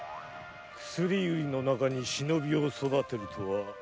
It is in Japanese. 薬売りの中に「忍び」を育てるとは。